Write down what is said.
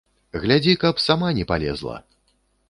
Глядзі, каб сама не палезла!